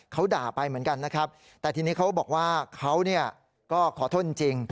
เขาด่าไปเหมือนกันนะครับแต่ทีนี้เขาบอกว่าเขาก็ขอโทษจริง